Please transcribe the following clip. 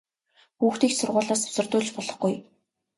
Хүүхдийг ч сургуулиас завсардуулж болохгүй!